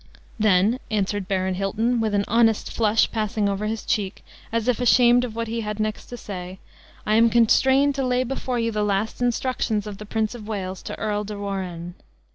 "Then," answered Baron Hilton, with an honest flush passing over his cheek, as if ashamed of what he had next to say, "I am constrained to lay before you the last instructions of the Prince of Wales to Earl de Warenne."